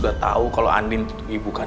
dan kalau kasus ini sampe ke pengadilan